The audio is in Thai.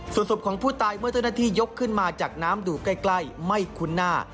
สุดสบของผู้ตายเมื่อเท่านาทียกขึ้นมาจากน้ำโดรกัยใกล้ไม่คุ้นหน้า